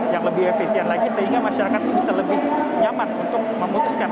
yang lebih efisien lagi sehingga masyarakat ini bisa lebih nyaman untuk memutuskan